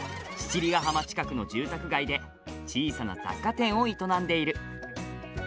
七里ヶ浜近くの住宅街で小さな雑貨店を営んでいる。